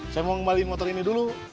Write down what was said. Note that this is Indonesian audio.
saya mau ngembaliin motor ini dulu